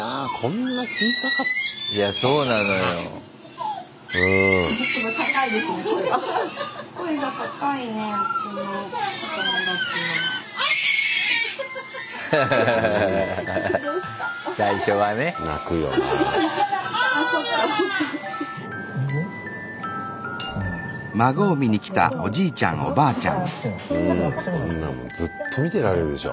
こんなんずっと見てられるでしょ。